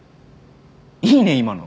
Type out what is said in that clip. いいね今の。